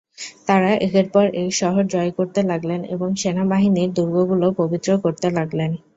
তারা একের পর এক শহর জয় করতে লাগলেন এবং সেনাবাহিনীর দূর্গগুলো পবিত্র করতে লাগলেন।